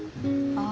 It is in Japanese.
ああ。